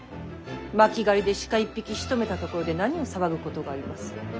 巻狩りで鹿一匹しとめたところで何を騒ぐことがあります。